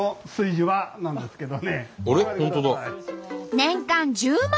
年間１０万